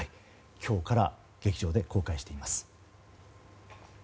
今日から劇場で公開しています。